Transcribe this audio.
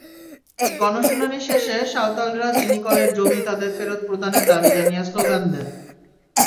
গণশুনানি শেষে সাঁওতালরা চিনিকলের জমি তাঁদের ফেরত প্রদানের দাবি জানিয়ে স্লোগান দেন।